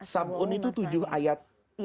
sabun itu tujuh ayat